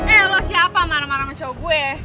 eh lo siapa marah marah sama cowok gue